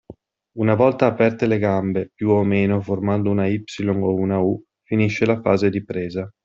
Una volta aperte le gambe aperte più o meno formando una “Y” o una “U”, finisce la fase di presa.